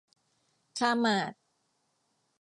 คาร์มาร์ท